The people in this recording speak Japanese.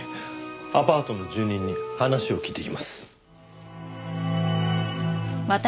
アパートの住人に話を聞いてきます。